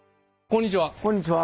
こんにちは。